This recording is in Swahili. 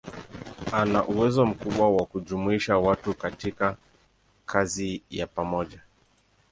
Ana uwezo mkubwa wa kujumuisha watu katika kazi ya pamoja.